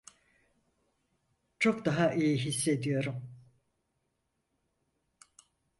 Çok daha iyi hissediyorum.